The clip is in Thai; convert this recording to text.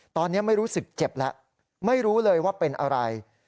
ตอนนี้ไม่รู้สึกเจ็บแล้วไม่รู้เลยว่าเป็นอะไร